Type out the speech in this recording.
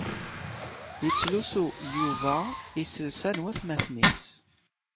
Yettlusu Yuba iselsa n watmaten-is.